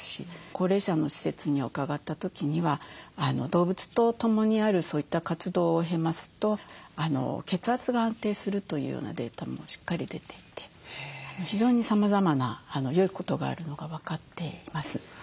高齢者の施設に伺った時には動物と共にあるそういった活動を経ますと血圧が安定するというようなデータもしっかり出ていて非常にさまざまなよいことがあるのが分かっています。